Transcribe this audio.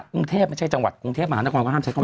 กรุงเทพไม่ใช่จังหวัดกรุงเทพหมานคร